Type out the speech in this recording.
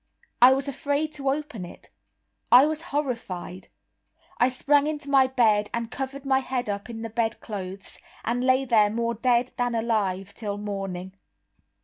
I was afraid to open it—I was horrified. I sprang into my bed and covered my head up in the bedclothes, and lay there more dead than alive till morning.